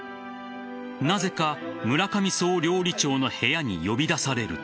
なぜか村上総料理長の部屋に呼び出されると。